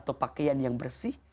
untuk pakaian yang bersih